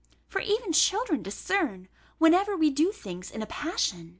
For even children discern whenever we do things in a passion."